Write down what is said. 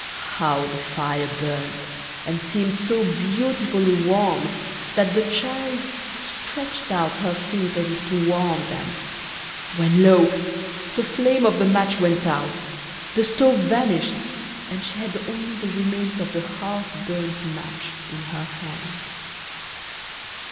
How the fire burned! and seemed so beautifully warm that the child stretched out her feet as if to warm them, when, lo! the flame of the match went out, the stove vanished, and she had only the remains of the half burnt match in her hand.